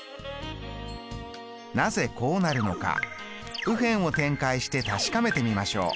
なぜこうなるのか右辺を展開して確かめてみましょう。